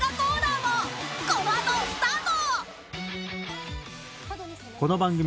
このあとスタート！